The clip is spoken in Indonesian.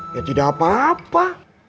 ya tidak apa apa